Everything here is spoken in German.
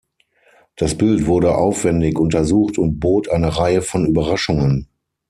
Das Bild wurde aufwendig untersucht und bot eine Reihe von Überraschungen.